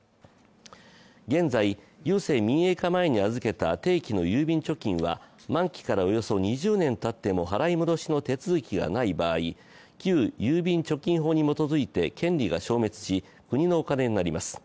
現在、郵政民営化前に預けた定期の郵便貯金は満期からおよそ２０年たっても払い戻しの手続きがない場合、旧郵便貯金法に基づいて権利が消滅し国のお金になります。